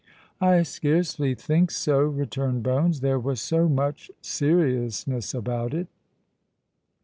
"I scarcely think so," returned Bones: "there was so much seriousness about it."